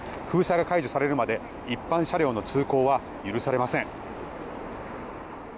封鎖が解除されるまで一般車両の通行は許されません。